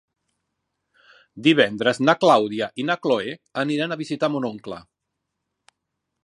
Divendres na Clàudia i na Cloè aniran a visitar mon oncle.